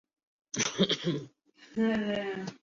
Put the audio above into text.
نبات خانہ اور نبات خانہ اثر ہیں